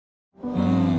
うん。